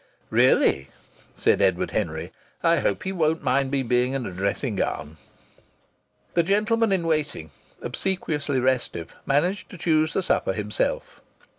"Really!" said Edward Henry. "I hope he won't mind me being in a dressing gown." The gentleman in waiting, obsequiously restive, managed to choose the supper himself.